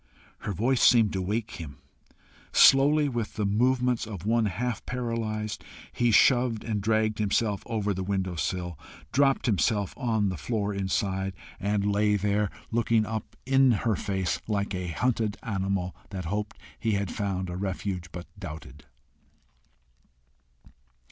Her voice seemed to wake him. Slowly, with the movements of one half paralyzed, he shoved and dragged himself over the windowsill, dropped himself on the floor inside, and lay there, looking up in her face like a hunted animal, that hoped he had found a refuge, but doubted.